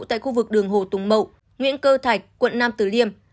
tại khu vực đường hồ tùng mậu nguyễn cơ thạch quận nam tử liêm